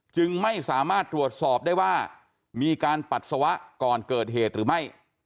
จึงไม่สามารถตรวจสอบได้ว่ามีการปัสสาวะก่อนเกิดเหตุหรือไม่